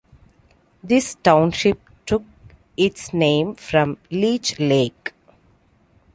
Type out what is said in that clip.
This township took its name from Leech Lake.